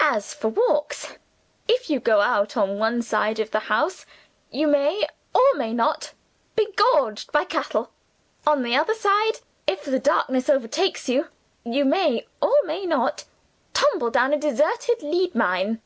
As for walks, if you go out on one side of the house you may, or may not, be gored by cattle. On the other side, if the darkness overtakes you, you may, or may not, tumble down a deserted lead mine.